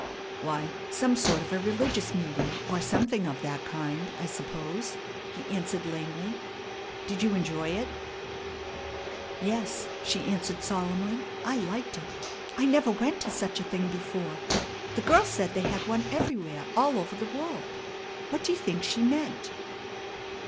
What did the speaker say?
"Why, some sort of a religious meeting, or something of that kind, I suppose," he answered lamely. "Did you enjoy it?" "Yes," she answered solemnly, "I liked it. I never went to such a thing before. The girl said they had one everywhere all over the world. What do you think she meant?"